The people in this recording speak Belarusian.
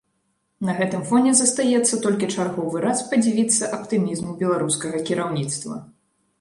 На гэтым фоне застаецца толькі чарговы раз падзівіцца аптымізму беларускага кіраўніцтва.